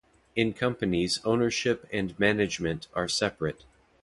In companies ownership and management are separate.